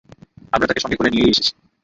আমরা তাকে সঙ্গে করে নিয়েই এসেছি।